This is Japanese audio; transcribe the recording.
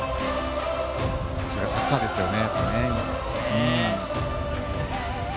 それがサッカーですよね。